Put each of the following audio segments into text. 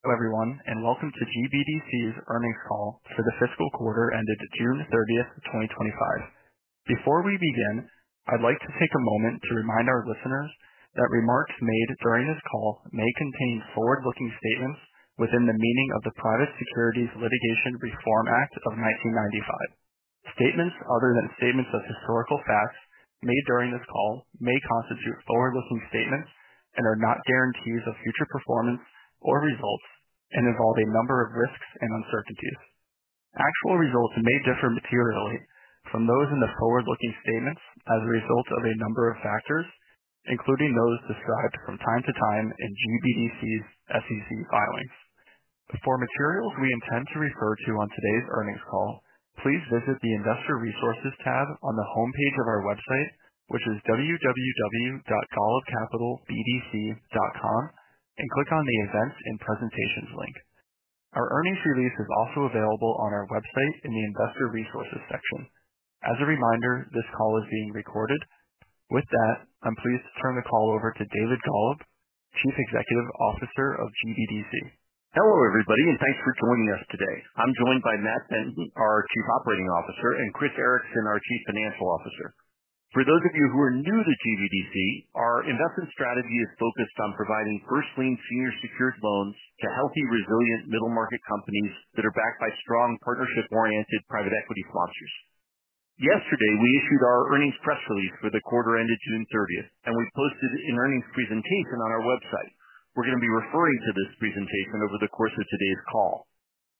Hello everyone, and welcome to GBDC's Earnings Call for the fiscal quarter ended June 30th, 2025. Before we begin, I'd like to take a moment to remind our listeners that remarks made during this call may contain forward-looking statements within the meaning of the Private Securities Litigation Reform Act of 1995. Statements other than statements of historical facts made during this call may constitute forward-looking statements and are not guarantees of future performance or results and involve a number of risks and uncertainties. Actual results may differ materially from those in the forward-looking statements as a result of a number of factors, including those described from time to time in GBDC's SEC filings. For materials we intend to refer to on today's earnings call, please visit the Investor Resources tab on the homepage of our website, which is www.golubcapitalbdc.com, and click on the Events and Presentations link. Our earnings release is also available on our website in the Investor Resources section. As a reminder, this call is being recorded. With that, I'm pleased to turn the call over to David Golub, Chief Executive Officer of BDC. Hello everybody, and thanks for joining us today. I'm joined by Matt Benton, our Chief Operating Officer, and Chris Ericson, our Chief Financial Officer. For those of you who are new to GBDC, our investment strategy is focused on providing first lien senior secured loans to healthy, resilient middle market companies that are backed by strong partnership-oriented private equity funds. Yesterday, we issued our earnings press release for the quarter ended June 30th, and we posted an earnings presentation on our website. We're going to be referring to this presentation over the course of today's call.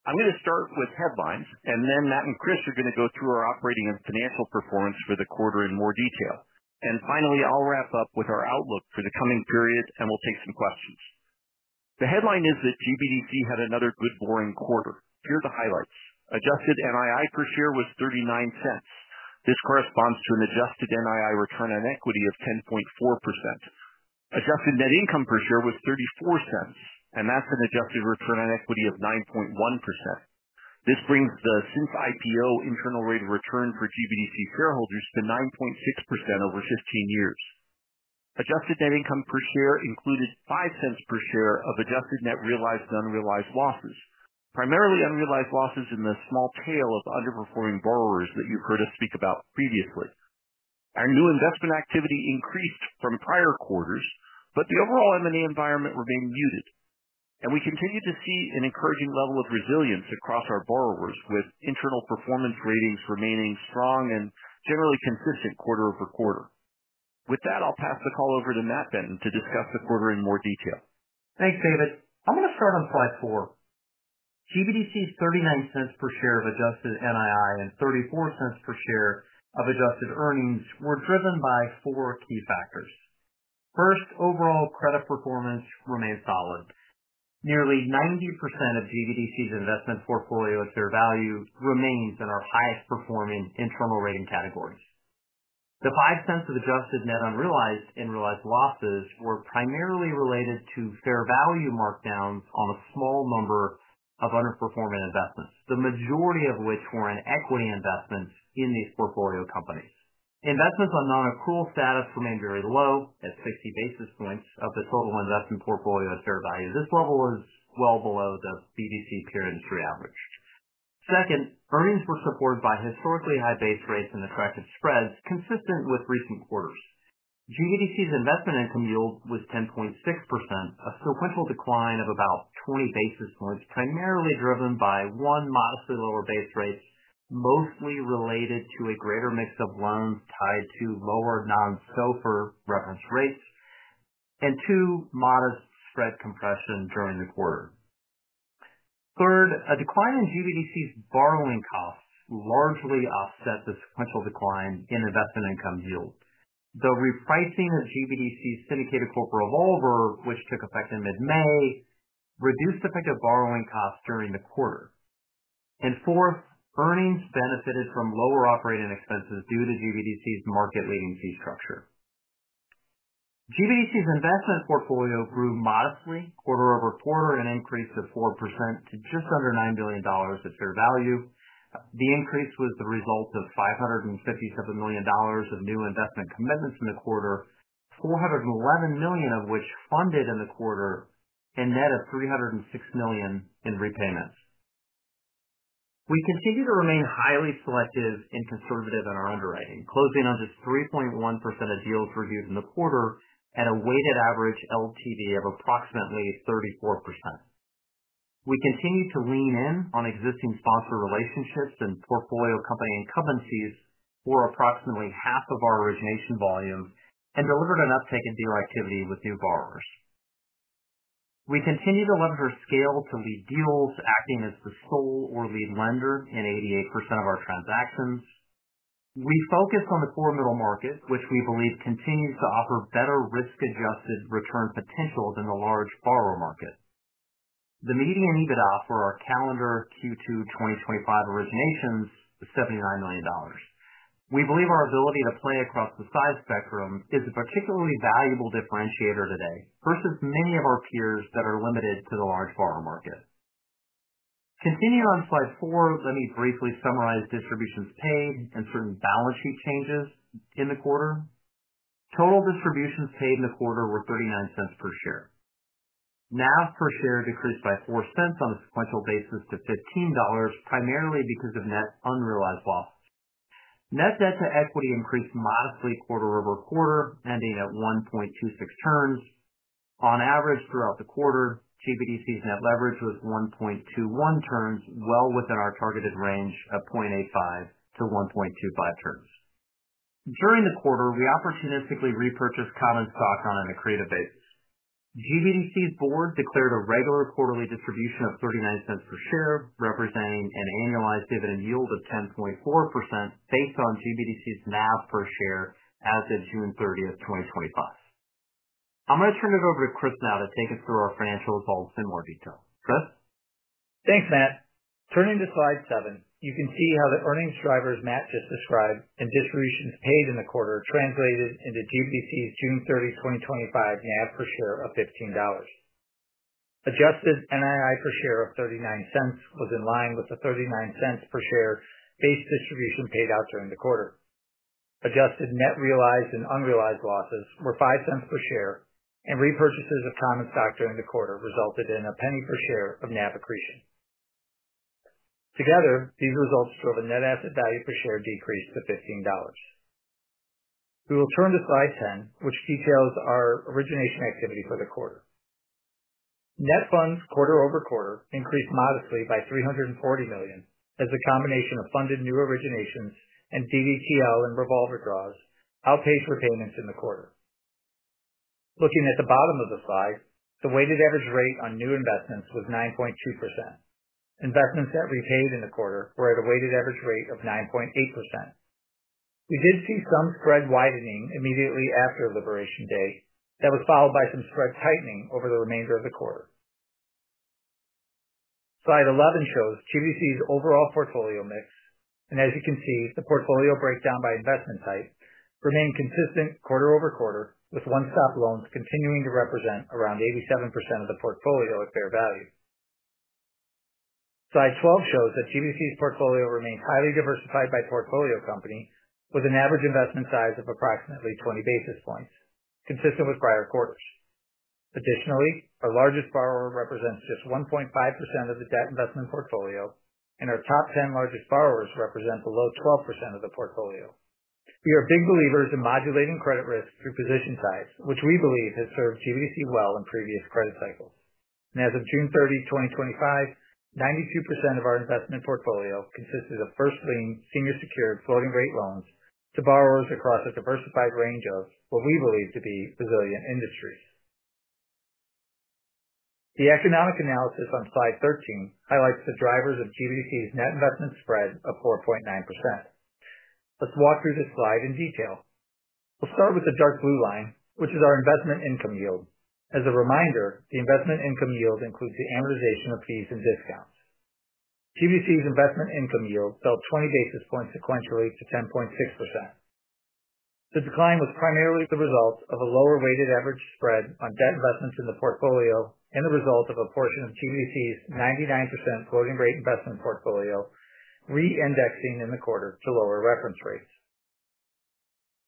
I'm going to start with headlines, then Matt and Chris are going to go through our operating and financial performance for the quarter in more detail. Finally, I'll wrap up with our outlook for the coming period, and we'll take some questions. The headline is that GBDC had another good boring quarter. Here are the highlights. Adjusted NII per share was $0.39. This corresponds to an adjusted NII return on equity of 10.4%. Adjusted net income per share was $0.34, and that's an adjusted return on equity of 9.1%. This brings the [since] IPO internal rate of return for GBDC shareholders to 9.6% over 15 years. Adjusted net income per share included $0.05 per share of adjusted net realized and unrealized losses, primarily unrealized losses in the small tail of underperforming borrowers that you've heard us speak about previously. Our new investment activity increased from prior quarters, but the overall M&A environment remained muted. We continue to see an encouraging level of resilience across our borrowers, with internal performance ratings remaining strong and generally consistent quarter over quarter. With that, I'll pass the call over to Matt Benton to discuss the quarter in more detail. Thanks, David. I'm going to start on slide 4. GBDC's $0.39 per share of adjusted NII and $0.34 per share of adjusted earnings were driven by four key factors. First, overall credit performance remains solid. Nearly 90% of GBDC's investment portfolio at fair value remains in our highest performing internal rating categories. The $0.05 of adjusted net unrealized and realized losses were primarily related to fair value markdowns on a small number of underperforming investments, the majority of which were in equity investments in these portfolio companies. Investments on non-accrual status remained very low at 60 basis points of the total investment portfolio at fair value. This level is well below the BDC peer average. Second, earnings were supported by historically high base rates and attractive spreads consistent with recent quarters. GBDC's investment income yield was 10.6%, a sequential decline of about 20 basis points, primarily driven by, one, modestly lower base rates, mostly related to a greater mix of loans tied to lower non-self-referenced rates, and, two, modest spread compression during the quarter. Third, a decline in GBDC's borrowing costs largely offset the sequential decline in investment income yield. The repricing of GBDC's syndicated corporate revolver, which took effect in mid-May, reduced effective borrowing costs during the quarter. Fourth, earnings benefited from lower operating expenses due to GBDC's market-leading fee structure. GBDC's investment portfolio grew modestly quarter over quarter, an increase of 4% to just under $9 million at fair value. The increase was the result of $557 million of new investment commitments in the quarter, $411 million of which funded in the quarter, and net of $306 million in repayments. We continue to remain highly selective and conservative in our underwriting, closing on just 3.1% of deals reviewed in the quarter at a weighted average LTV of approximately 34%. We continue to lean in on existing sponsor relationships and portfolio company incumbencies for approximately half of our origination volume and delivered an uptick in dealer activity with new borrowers. We continue to leverage scale to lead deals, acting as the sole or lead lender in 88% of our transactions. We focus on the core middle market, which we believe continues to offer better risk-adjusted return potential than the large borrower market. The median EBITDA for our calendar Q2 2025 originations is $79 million. We believe our ability to play across the size spectrum is a particularly valuable differentiator today versus many of our peers that are limited to the large borrower market. Continuing on slide 4, let me briefly summarize distributions paid and certain balance sheet changes in the quarter. Total distributions paid in the quarter were $0.39 per share. NAV per share decreased by $0.04 on a sequential basis to $15, primarily because of net unrealized loss. Net debt to equity increased modestly quarter-over-quarter, ending at 1.26 turns. On average throughout the quarter, GBDC's net leverage was 1.21 turns, well within our targeted range of 0.85-1.25 turns. During the quarter, we opportunistically repurchased common stock on an accretive basis. GBDC's board declared a regular quarterly distribution of $0.39 per share, representing an annualized dividend yield of 10.4% based on GBDC's NAV per share as of June 30th, 2025. I'm going to turn it over to Chris now to take us through our financial results in more detail. Chris? Thanks, Matt. Turning to slide 7, you can see how the earnings drivers Matt just described and distributions paid in the quarter translated into GBDC's June 30th, 2025 NAV per share of $15. Adjusted NII per share of $0.39 was in line with the $0.39 per share base distribution paid out during the quarter. Adjusted net realized and unrealized losses were $0.05 per share, and repurchases of common stock during the quarter resulted in $0.01 per share of NAV accretion. Together, these results drove a net asset value per share decrease to $15. We will turn to slide 10, which details our origination activity for the quarter. Net funds quarter over quarter increased modestly by $340 million as a combination of funded new originations and DVTL and revolver draws outpaid repayments in the quarter. Looking at the bottom of the slide, the weighted average rate on new investments was 9.2%. Investments that repaid in the quarter were at a weighted average rate of 9.8%. We did see some spread widening immediately after liberation days. That was followed by some spread tightening over the remainder of the quarter. Slide 11 shows GBDC's overall portfolio mix, and as you can see, the portfolio breakdown by investment type remained consistent quarter over quarter, with one-stop loans continuing to represent around 87% of the portfolio at fair value. Slide 12 shows that GBDC's portfolio remains highly diversified by portfolio company, with an average investment size of approximately 20 basis points, consistent with prior quarters. Additionally, our largest borrower represents just 1.5% of the debt investment portfolio, and our top 10 largest borrowers represent below 12% of the portfolio. We are big believers in modulating credit risk through position size, which we believe has served GBDC well in previous credit cycles. As of June 30th, 2025, 92% of our investment portfolio consisted of first lien senior secured floating rate loans to borrowers across a diversified range of what we believe to be resilient industries. The economic analysis on slide 13 highlights the drivers of GBDC's net investment spread of 4.9%. Let's walk through this slide in detail. We'll start with the dark blue line, which is our investment income yield. As a reminder, the investment income yield includes the amortization of fees and discounts. GBDC's investment income yield fell 20 basis points sequentially to 10.6%. The decline was primarily the result of a lower weighted average spread on debt investments in the portfolio and the result of a portion of GBDC's 99% floating rate investment portfolio re-indexing in the quarters to lower reference rates.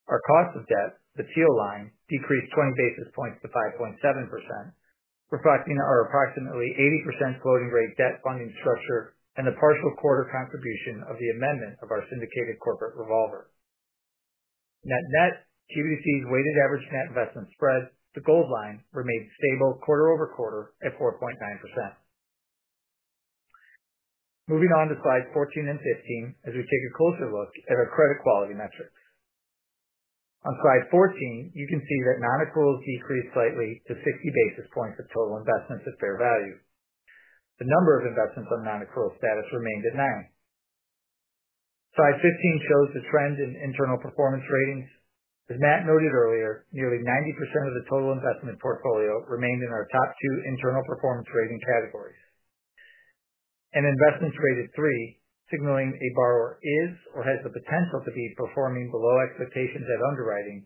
Our cost of debt, the teal line, decreased 20 basis points to 5.7%, reflecting our approximately 80% floating rate debt funding structure and the partial quarter contribution of the amendment of our syndicated corporate revolver. Net net, GBDC's weighted average net investment spread, the gold line, remained stable quarter-over-quarter at 4.9%. Moving on to slides 14 and 15, as we take a closer look at our credit quality metrics. On slide 14, you can see that non-accruals decreased slightly to 60 basis points of total investments at fair value. The number of investments on non-accrual status remained at 9. Slide 15 shows the trend in internal performance ratings. As Matt noted earlier, nearly 90% of the total investment portfolio remained in our top two internal performance rating categories. Investments rated 3, signaling a borrower is or has the potential to be performing below expectations at underwriting,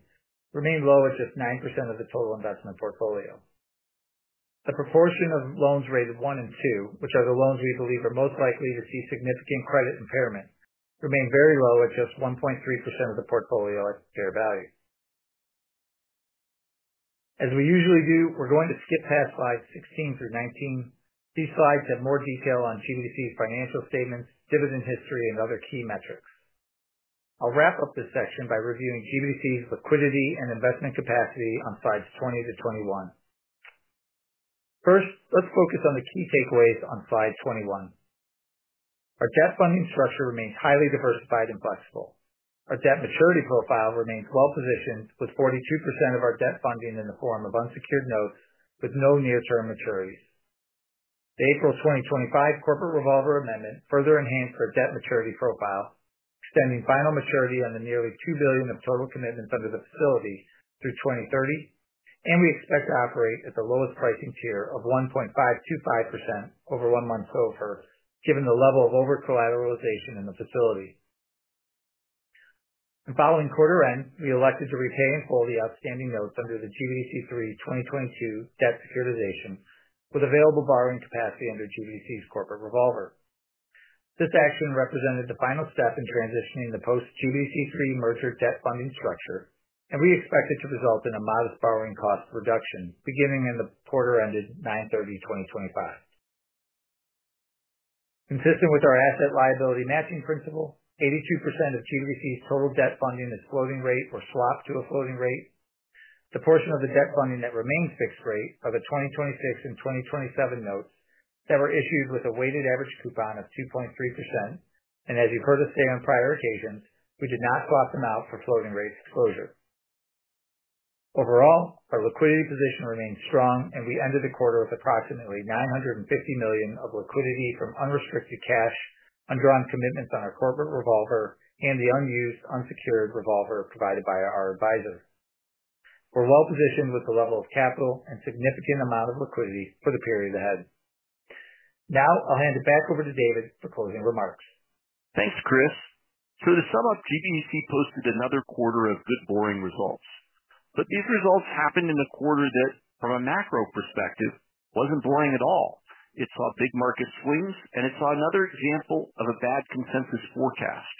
remained low at just 9% of the total investment portfolio. A proportion of loans rated 1 and 2, which are the loans we believe are most likely to see significant credit impairment, remained very low at just 1.3% of the portfolio at fair value. As we usually do, we're going to skip past slides 16 through 19. These slides have more detail on GBDC's financial statements, dividend history, and other key metrics. I'll wrap up this section by reviewing GBDC's liquidity and investment capacity on slides 20 to 21. First, let's focus on the key takeaways on slide 21. Our debt funding structure remains highly diversified and flexible. Our debt maturity profile remains well positioned, with 42% of our debt funding in the form of unsecured notes with no near-term maturities. The April 2025 corporate revolver amendment further enhances our debt maturity profile, extending final maturity on the nearly $2 billion of total commitments under the facility through 2030. We expect to operate at the lowest pricing tier of 1.525% over one month's SOFR, given the level of overcollateralization in the facility. The following quarter ended, we elected to repay and hold the outstanding notes under the GBDC 3 2022 Debt Securitization with available borrowing capacity under GBDC's corporate revolver. This action represented the final step in transitioning the post-GBDC 3 merger debt funding structure, and we expect it to result in a modest borrowing cost reduction beginning in the quarter ended 9/30/2025. Consistent with our asset liability matching principle, 82% of GBDC's total debt funding is floating rate or swapped to a floating rate. The portion of the debt funding that remains fixed rate are the 2026 and 2027 notes that were issued with a weighted average coupon of 2.3%. As you've heard us say on prior occasions, we did not swap them out for floating rates at closure. Overall, our liquidity position remains strong, and we ended the quarter with approximately $950 million of liquidity from unrestricted cash, undrawn commitments on our corporate revolver, and the unused unsecured revolver provided by our advisors. We're well positioned with the level of capital and significant amount of liquidity for the period ahead. Now, I'll hand it back over to David for closing remarks. Thanks, Chris. For the sum up, GBDC posted another quarter of good boring results. These results happened in a quarter that, from a macro perspective, wasn't boring at all. It saw big market swings, and it saw another example of a bad consensus forecast.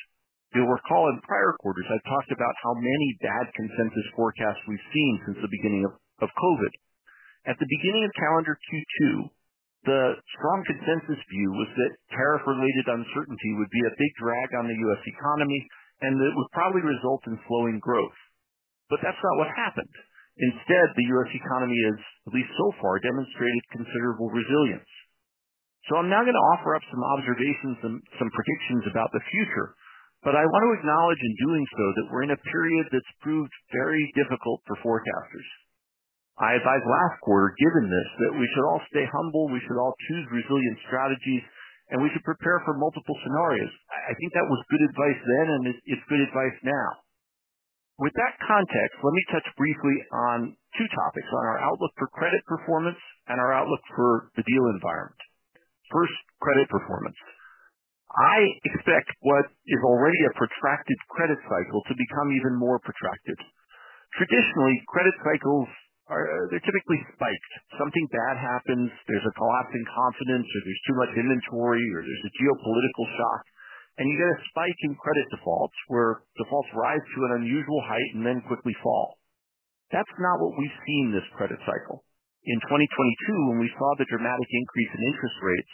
You'll recall in prior quarters I talked about how many bad consensus forecasts we've seen since the beginning of COVID. At the beginning of calendar Q2, the strong consensus view was that tariff-related uncertainty would be a big drag on the U.S. economy and that it would probably result in slowing growth. That's not what happened. Instead, the U.S. economy is, at least so far, demonstrating considerable resilience. I'm now going to offer up some observations and some predictions about the future. I want to acknowledge in doing so that we're in a period that's proved very difficult for forecasters. I advised last quarter, given this, that we should all stay humble, we should all choose resilient strategies, and we could prepare for multiple scenarios. I think that was good advice then, and it's good advice now. With that context, let me touch briefly on two topics: on our outlook for credit performance and our outlook for the deal environment. First, credit performance. I expect what is already a protracted credit cycle to become even more protracted. Traditionally, credit cycles are typically spikes. Something bad happens, there's a collapse in confidence, or there's too much inventory, or there's a geopolitical shock, and you get a spike in credit default where defaults rise to an unusual height and then quickly fall. That's not what we've seen this credit cycle. In 2022, when we saw the dramatic increase in interest rates,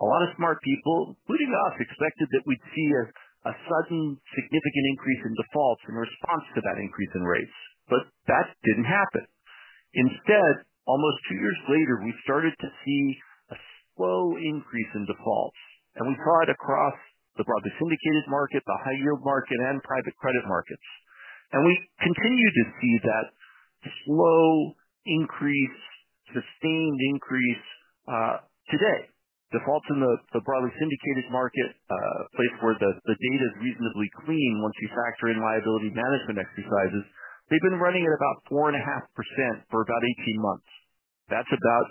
a lot of smart people, including us, expected that we'd see a sudden significant increase in defaults in response to that increase in rates. That didn't happen. Instead, almost two years later, we started to see a slow increase in defaults. We saw it across the broadly syndicated loan market, the high yield market, and private credit markets. We continue to see that slow increase, sustained increase, today. Defaults in the broadly syndicated loan market, a place where the data is reasonably clean once you factor in liability management exercises, have been running at about 4.5% for about 18 months. That's about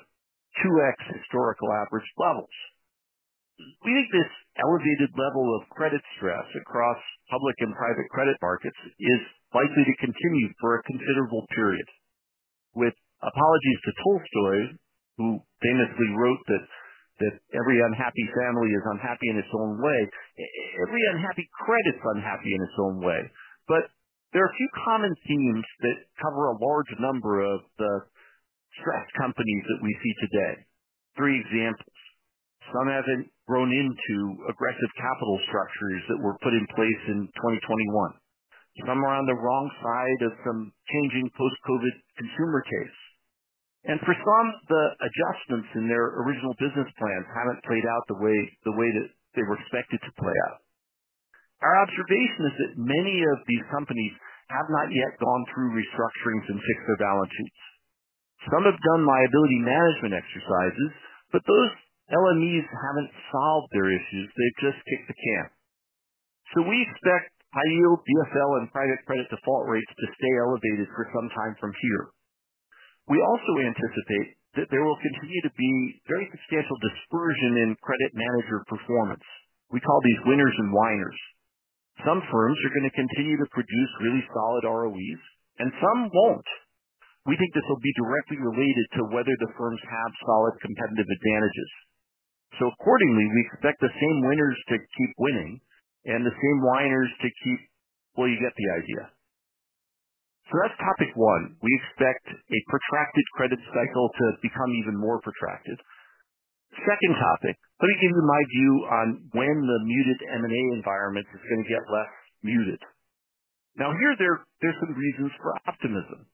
2x historical average levels. We think this elevated level of credit stress across public and private credit markets is likely to continue for a considerable period. With apologies to Tolstoy who famously wrote that every unhappy family is unhappy in its own way, every unhappy credit is unhappy in its own way. There are a few common themes that cover a large number of the stressed companies that we see today. Three examples. Some haven't grown into aggressive capital structures that were put in place in 2021. Some have come around the wrong side of some changing post-COVID consumer tastes. For some, the adjustments in their original business plans haven't played out the way that they were expected to play out. Our observation is that many of these companies have not yet gone through restructurings and fixed their balance sheets. Some have done liability management exercises, but those LMEs haven't solved their issues, they've just kicked the can. We expect high yield default and private credit default rates to stay elevated for some time from here. We also anticipate that there will continue to be very substantial dispersion in credit manager performance. We call these winners and whiners. Some firms are going to continue to produce really solid ROEs, and some won't. We think this will be directly related to whether the firms have solid competitive advantages. Accordingly, we expect the same winners to keep winning and the same whiners to keep, well, you get the idea. That's topic one. We expect a protracted credit cycle to become even more protracted. Second topic, let me give you my view on when the muted M&A environment is going to get less muted. There are some reasons for optimism.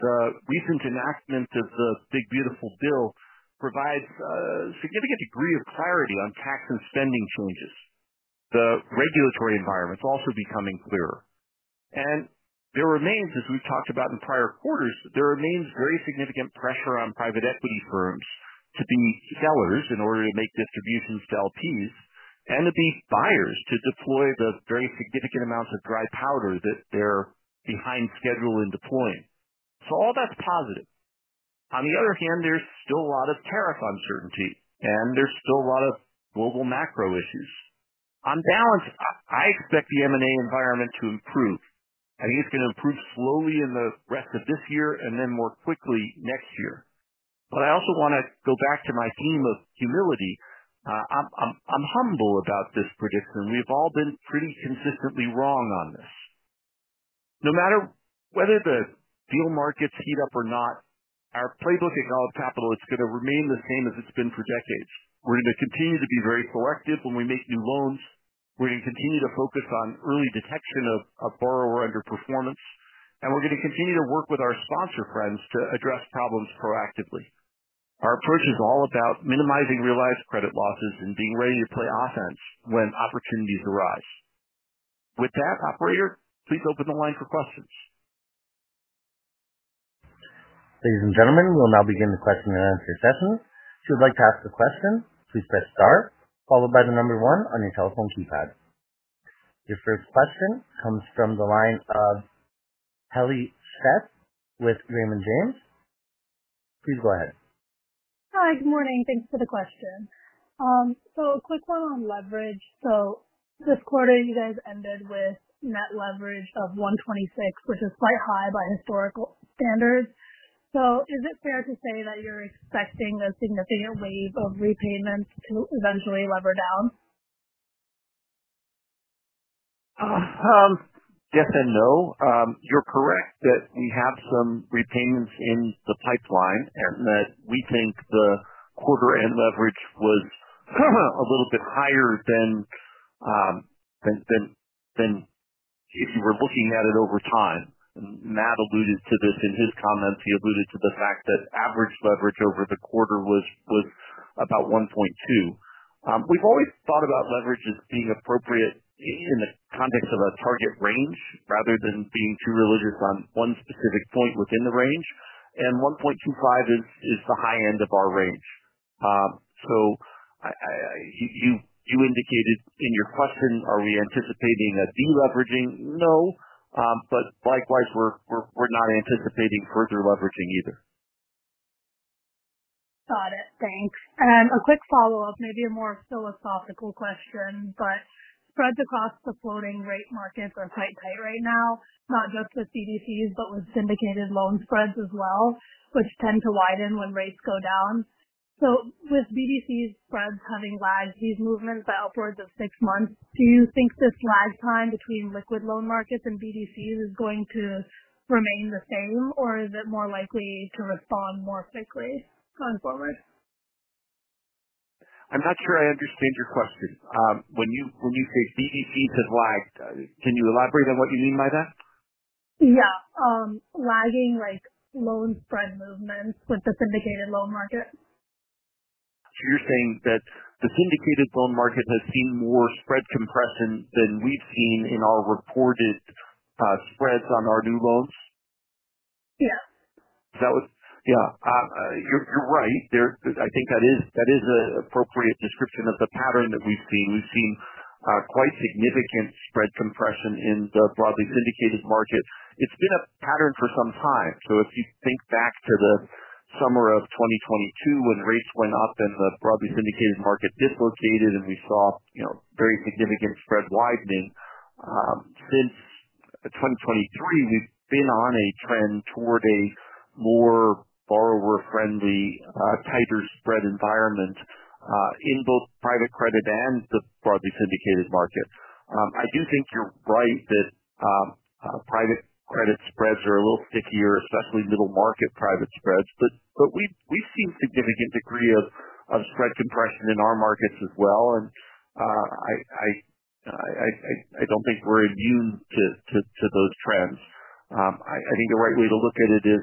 The recent enactment of the Big Beautiful Bill provides a significant degree of clarity on tax and spending changes. The regulatory environment is also becoming clearer. There remains, as we've talked about in prior quarters, very significant pressure on private equity firms to be sellers in order to make distributions to LPs and to be buyers to deploy the very significant amounts of dry powder that they're behind schedule in deploying. All that's positive. On the other hand, there's still a lot of tariff uncertainty, and there's still a lot of global macro issues. On balance, I expect the M&A environment to improve. I think it's going to improve slowly in the rest of this year and then more quickly next year. I also want to go back to my theme of humility. I'm humble about this prediction. We've all been pretty consistently wrong on this. No matter whether the deal markets heat up or not, our playbook at Golub Capital is going to remain the same as it's been for decades. We're going to continue to be very selective when we make new loans. We're going to continue to focus on early detection of a borrower underperformance. We're going to continue to work with our sponsor friends to address problems proactively. Our approach is all about minimizing realized credit losses and being ready to play offense when opportunities arise. With that, operator, please open the line for questions. Ladies and gentlemen, we will now begin the question and answer session. If you would like to ask a question, please press star, followed by the number one on your telephone keypad. Your first question comes from the line of Heli Sheth with Raymond James. Please go ahead. Hi, good morning. Thanks for the question. A quick one on leverage. This quarter, you guys ended with net leverage of 1.26, which is quite high by historical standards. Is it fair to say that you're expecting a significant wave of repayments to eventually lever down? Yes and no. You're correct that we have some repayments in the pipeline and that we think the quarter-end leverage was a little bit higher than we're looking at it over time. Matt alluded to this in his comments. He alluded to the fact that average leverage over the quarter was about 1.2. We've always thought about leverage as being appropriate in the context of a target range rather than being too religious on one specific point within the range. 1.25 is the high end of our range. You indicated in your question, are we anticipating a deleveraging? No, but likewise, we're not anticipating further leveraging either. Got it. Thanks. A quick follow-up, maybe a more philosophical question, but spreads across the floating rate markets are quite tight right now, not just with BDCs, but with syndicated loan spreads as well, which tend to widen when rates go down. With BDCs spreads having lagged these movements by upwards of six months, do you think this lag time between liquid loan markets and BDCs is going to remain the same, or is it more likely to respond more quickly? I'm not sure I understand your question. When you say BDCs have lagged, can you elaborate on what you mean by that? Yeah, lagging like loan spread movements with the broadly syndicated loan market. You're saying that the broadly syndicated loan markets have seen more spread compression than we've seen in our reported spreads on our new loans? Yeah. That was, yeah, you're right. I think that is an appropriate description of the pattern that we've seen. We've seen quite significant spread compression in the broadly syndicated loan markets. It's been a pattern for some time. If you think back to the summer of 2022 when rates went up and the broadly syndicated loan markets dislocated and we saw very significant spread widening, since 2023, we've been on a trend toward a more borrower-friendly, tighter spread environment in both private credit and the broadly syndicated loan markets. I do think you're right that private credit spreads are a little stickier, especially middle market private spreads. We've seen a significant degree of spread compression in our markets as well. I don't think we're immune to those trends. I think the right way to look at it is,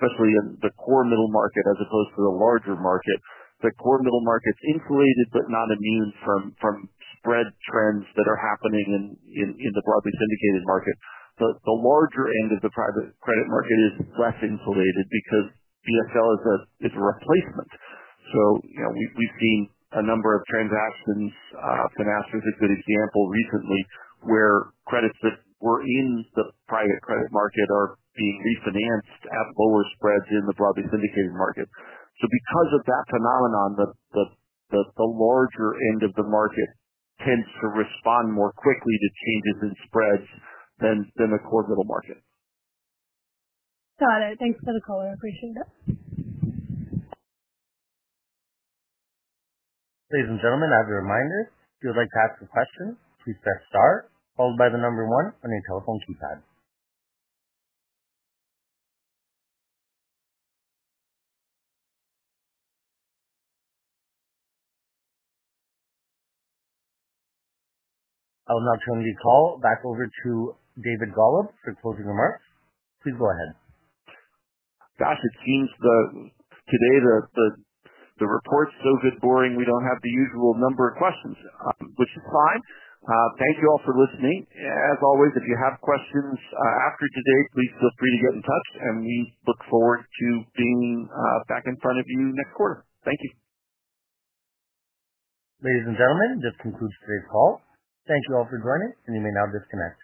especially in the core middle market as opposed to the larger market, the core middle market's insulated but not immune from spread trends that are happening in the broadly syndicated loan markets. The larger end of the private credit market is less insulated because DFL is a replacement. We've seen a number of transactions, Finastra is a good example recently, where credits that were in the private credit market are being refinanced at lower spreads in the broadly syndicated loan markets. Because of that phenomenon, the larger end of the market tends to respond more quickly to changes in spreads than the core middle market. Got it. Thanks for the call. I appreciate it. Ladies and gentlemen, as a reminder, if you would like to ask a question, please press star, followed by the number one on your telephone keypad. I will now turn the call back over to David Golub for closing remarks. Please go ahead. It seems that today the report's so good, boring we don't have the usual number of questions, which is fine. Thank you all for listening. As always, if you have questions after today, please feel free to get in touch, and we look forward to being back in front of you next quarter. Thank you. Ladies and gentlemen, this concludes today's call. Thank you all for joining, and you may now disconnect.